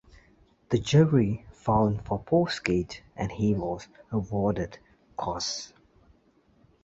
The jury found for Postgate, and he was awarded costs.